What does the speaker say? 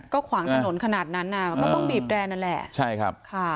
ก็ขวางถนนขนาดนั้นนะก็ต้องบีบแรงนั่นแหละ